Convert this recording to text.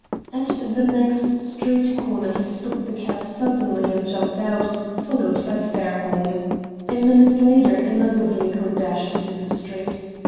At the next street corner he stopped the cab suddenly, and jumped out, followed by Fairholme. A minute later another vehicle dashed into the street.